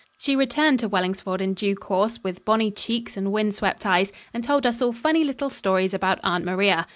She returned to Wellingsford in due course, with bonny cheeks and wind swept eyes, and told us all funny little stories about Aunt Maria.